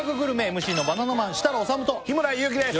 ＭＣのバナナマン設楽統と日村勇紀です